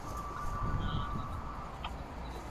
آیا تاسي په خپل کور کې د شاتو مچۍ ساتئ؟